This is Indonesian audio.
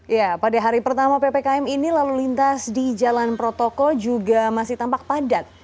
ya pada hari pertama ppkm ini lalu lintas di jalan protokol juga masih tampak padat